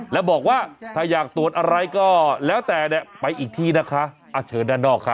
แล้วบอกว่าถ้าอยากตรวจอะไรก็แล้วแต่เนี่ยไปอีกที่นะคะเชิญด้านนอกค่ะ